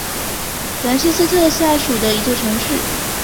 兰切斯特下属的一座城市。